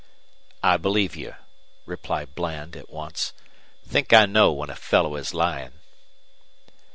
"I believe you," replied Bland, at once. "Think I know when a fellow is lying."